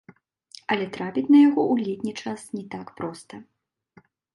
Але трапіць на яго ў летні час не так проста.